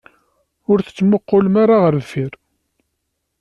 Ur tettmuqqulem ara ɣer deffir.